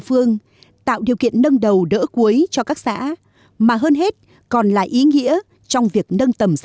phương tạo điều kiện nâng đầu đỡ cuối cho các xã mà hơn hết còn là ý nghĩa trong việc nâng tầm sản